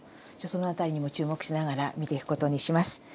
その辺りにも注目しながら見ていく事にします。